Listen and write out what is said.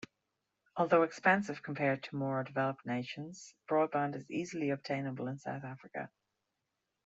Although expensive compared to more developed nations, broadband is easily obtainable in South Africa.